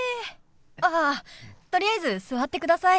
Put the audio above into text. あっとりあえず座ってください。